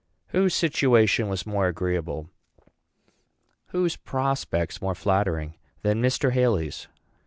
Whose situation was more agreeable, whose prospects more flattering, than Mr. Haly's?